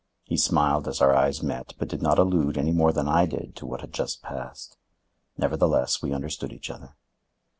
He smiled as our eyes met, but did not allude, any more than I did, to what had just passed. Nevertheless, we understood each other.